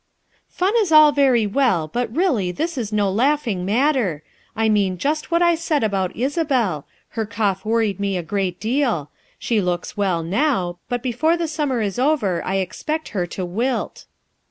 "Fun is all very well, but really this is no laughing matter; I mean just what I said about Isabel, her cough worried me a great deal ; she looks well now but before the summer is over, I expect her to wilt."